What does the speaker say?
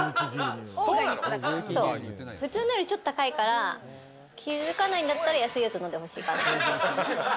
普通のより、ちょっと高いから、気づかないんだったら安いやつ飲んで欲しいかな。